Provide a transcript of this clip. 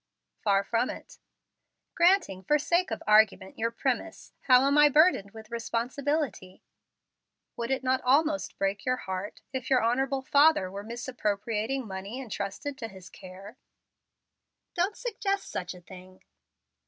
"Far from it." "Granting for sake of argument your premise, how am I burdened with responsibility?" "Would it not almost break your heart, if your honorable father were misappropriating money intrusted to his care?" "Don't suggest such a thing."